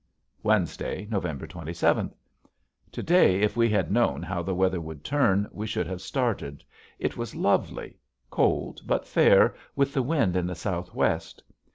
Wednesday, November twenty seventh. To day, if we had known how the weather would turn, we should have started. It was lovely, cold but fair with the wind in the south west.